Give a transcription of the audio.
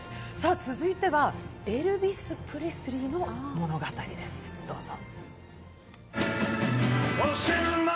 続いてはエルヴィス・プレスリーの物語です、どうぞ。